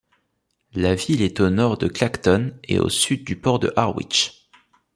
La ville est au nord de Clacton et au sud du port de Harwich.